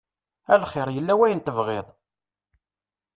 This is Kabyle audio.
A lxir yella wayen tebɣiḍ?